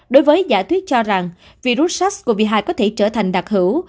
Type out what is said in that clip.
đối với giả thuyết cho rằng virus sars cov hai có thể trở thành đặc hữu